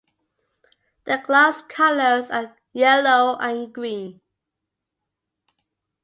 The club's colours are yellow and green.